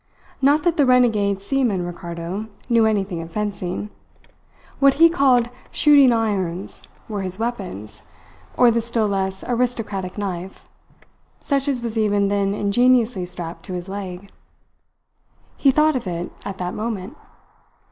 Not that the renegade seaman Ricardo knew anything of fencing. What he called "shooting irons," were his weapons, or the still less aristocratic knife, such as was even then ingeniously strapped to his leg. He thought of it, at that moment.